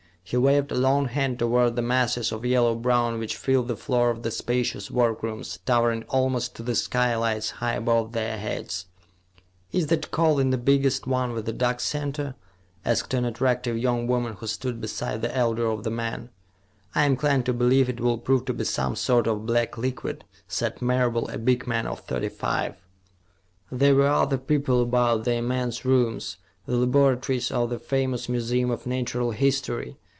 He waved a long hand toward the masses of yellow brown which filled the floor of the spacious workrooms, towering almost to the skylights, high above their heads. [Sidenote: A giant amber block at last gives up its living, ravenous prey.] "Is that coal in the biggest one with the dark center?" asked an attractive young woman who stood beside the elder of the men. "I am inclined to believe it will prove to be some sort of black liquid," said Marable, a big man of thirty five. There were other people about the immense rooms, the laboratories of the famous Museum of Natural History.